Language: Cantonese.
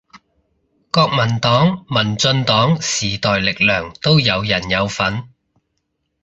國民黨民進黨時代力量都有人有份